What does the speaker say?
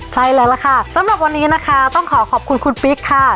ใช่แล้วล่ะค่ะสำหรับวันนี้นะคะต้องขอขอบคุณคุณปิ๊กค่ะ